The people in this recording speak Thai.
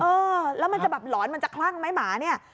เออแล้วมันจะแบบหลอนมันจะคลั่งไหมหมาเนี่ย